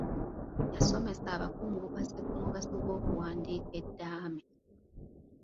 Yasomesa abakungubazi ku mugaso gw'okuwandiika eddaame.